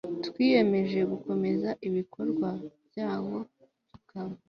twiyemeje gukomeza ibikorwa byawo tukaba